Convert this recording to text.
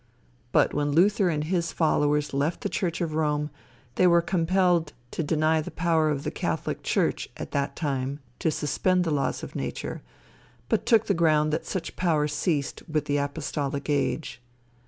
But, when Luther and his followers left the church of Rome, they were compelled to deny the power of the catholic church, at that time, to suspend the laws of nature, but took the ground that such power ceased with the apostolic age.